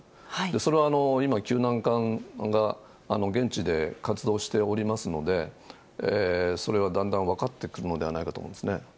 それは今、救難艦が現地で活動しておりますので、それはだんだん分かってくるのではないかと思うんですね。